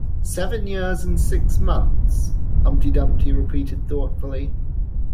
‘Seven years and six months!’ Humpty Dumpty repeated thoughtfully.